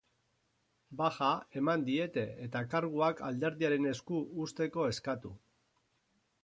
Baja eman diete, eta karguak alderdiaren esku uzteko eskatu.